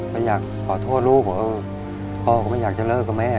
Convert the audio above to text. ก็อยากขอโทษลูกบอกเออพ่อก็ไม่อยากจะเลิกกับแม่